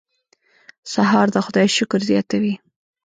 سهار د خدای شکر زیاتوي.